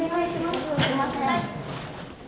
すいません。